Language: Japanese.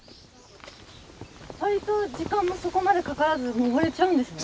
割と時間もそこまでかからず登れちゃうんですね。